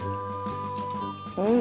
うん。